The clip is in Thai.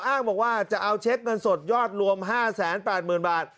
อ้างบอกว่าจะเอาเช็คเงินสดยอดรวม๕๘๐๐๐บาท